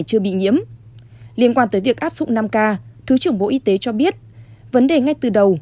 chưa bị nhiễm liên quan tới việc áp dụng năm k thứ trưởng bộ y tế cho biết vấn đề ngay từ đầu